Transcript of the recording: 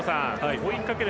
追いかける